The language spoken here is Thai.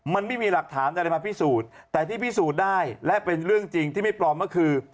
มันไม่มีหลักฐานอะไรมาพิสูจน์แต่ที่พิสูจน์ได้และเป็นเรื่องจริงที่ไม่ปลอมก็คือ